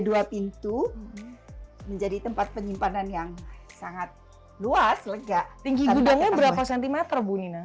dua pintu menjadi tempat penyimpanan yang sangat luas lega tinggi gudangnya berapa cm bu nina